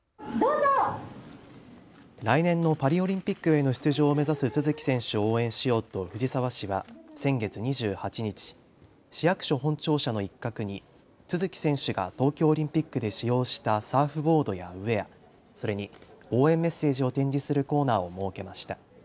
来年のパリオリンピックへの出場を目指す都筑選手を応援しようと藤沢市は先月２８日、市役所本庁舎の一角に都筑選手が東京オリンピックで使用したサーフボードやウエア、それに応援メッセージを展示するコーナーを設けました。